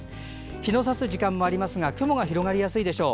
日のさす時間もありますが雲が広がりやすいでしょう。